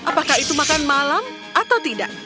apakah itu makan malam atau tidak